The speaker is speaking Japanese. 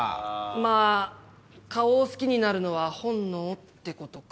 まあ顔を好きになるのは本能ってことか。